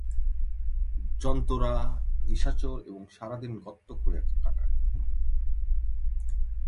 জন্তুরা নিশাচর এবং সারাদিন গর্ত খুঁড়ে কাটায়।